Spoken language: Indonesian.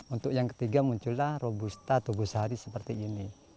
untuk yang ketiga muncullah robusta togosari seperti ini